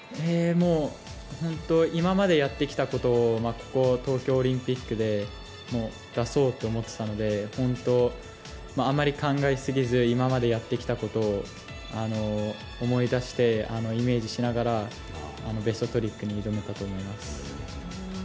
今までやってきたことをここ、東京オリンピックで出そうと思っていたのであまり考えすぎず今までやってきたことを思い出してイメージしながらベストトリックに挑めたと思います。